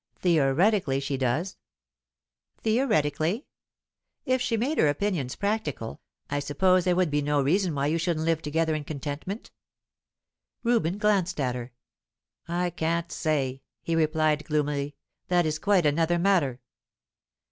"Theoretically she does." "Theoretically? If she made her opinions practical, I suppose there would be no reason why you shouldn't live together in contentment?" Reuben glanced at her. "I can't say," he replied gloomily. "That is quite another matter."